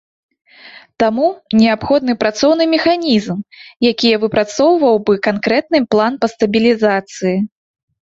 Таму, неабходны працоўны механізм, якія выпрацаваў бы канкрэтны план па стабілізацыі.